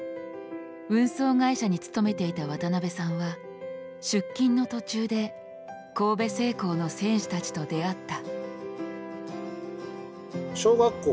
運送会社に勤めていた渡邊さんは出勤の途中で神戸製鋼の選手たちと出会った。